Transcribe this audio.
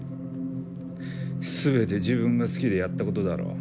全て自分が好きでやったことだろう？